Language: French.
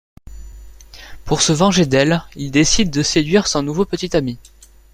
Pour se venger d'elle, il décide de séduire son nouveau petit-ami.